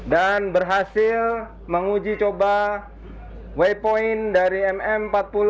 dan berhasil menguji coba waypoint dari mm empat puluh